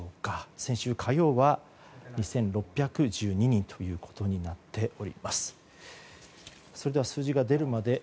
先週火曜は２６１２人となっております。